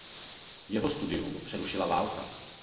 Jeho studium přerušila válka.